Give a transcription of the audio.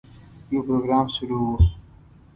یو پروګرام شروع و.